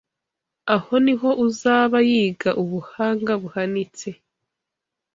Aho ni ho uzaba yiga ubuhanga buhanitse